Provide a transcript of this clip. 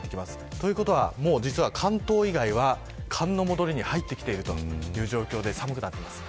ということはもう実は、関東以外は寒の戻りに入ってきているという状況で寒くなっています。